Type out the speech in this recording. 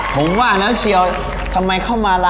ผมว่าว่าเชียวทำไมเข้ามาร้าน